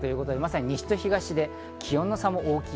西と東で気温の差も大きい。